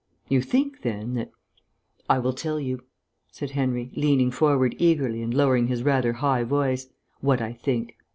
You think then, that " "I will tell you," said Henry, leaning forward eagerly and lowering his rather high voice, "what I think.